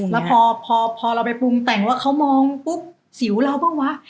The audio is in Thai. แล้วพอเราไปปรุงแต่งว่าเขามองปุ๊บสิวเราบ้างวะ